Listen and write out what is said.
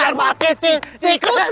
hei kamu jangan lari